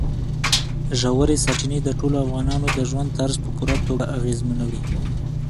ژورې سرچینې د ټولو افغانانو د ژوند طرز په پوره توګه اغېزمنوي.